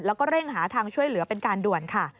แล้วก็เร่งหาทางช่วยเหลือเป็นการด่วนค่ะ